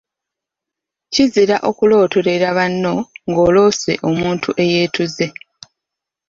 Kizira okulootololera banno ng’oloose omuntu eyeetuze.